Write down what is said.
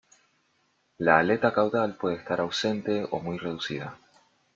La aleta caudal puede estar ausente o muy reducida.